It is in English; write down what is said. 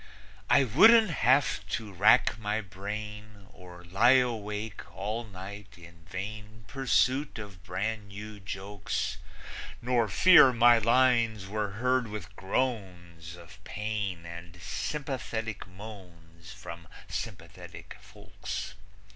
I wouldn't have to rack my brain Or lie awake all night in vain Pursuit of brand new jokes; Nor fear my lines were heard with groans Of pain and sympathetic moans From sympathetic folks.